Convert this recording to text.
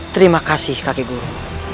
terima kasih kakek guru